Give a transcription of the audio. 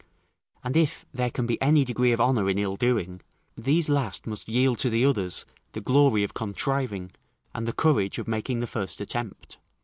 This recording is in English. And if there can be any degree of honour in ill doing, these last must yield to the others the glory of contriving, and the courage of making the first attempt.